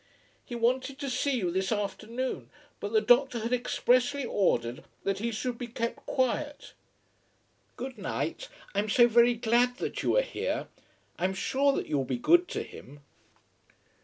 "He wanted to see you this afternoon; but the doctor had expressly ordered that he should be kept quiet. Good night. I am so very glad that you are here. I am sure that you will be good to him."